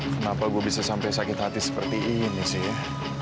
kenapa gue bisa sampai sakit hati seperti ini sih ya